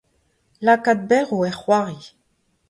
lakaat berv er c'hoari